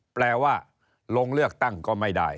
แปลว่าลงเลือกตั้งก็ไม่ได้